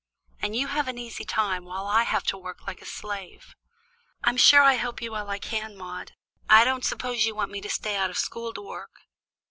And you have an easy time, while I have to work like a slave." "I'm sure I help you all I can, Maude. I don't suppose you want me to stay out of school to work."